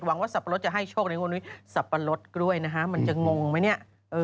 ว่าสับปะรดจะให้โชคในงวดนี้สับปะรดกล้วยนะฮะมันจะงงไหมเนี่ย